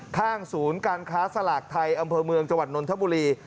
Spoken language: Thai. ข้างศูนย์การค้าสลากไทยอำเภอเมืองจังหวัดนนทบุรี